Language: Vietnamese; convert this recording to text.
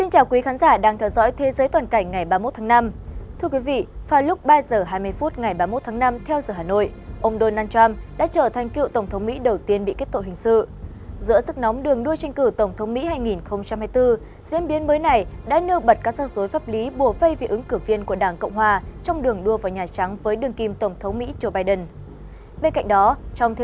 hãy đăng ký kênh để ủng hộ kênh của chúng mình nhé